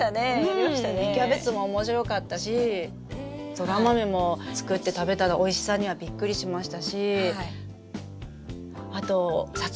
芽キャベツも面白かったしソラマメも作って食べたらおいしさにはびっくりしましたしあとサツマイモとかジャガイモ！